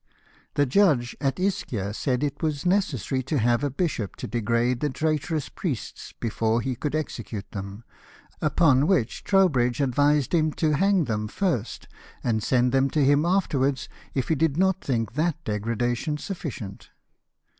The judge at Ischia said it was necessary to have a bishop to degrade the traitorous priests before he could execute them, upon which Trowbridge advised him to hang them first, and send them to him afterwards, if he did not think that degradation sufficient.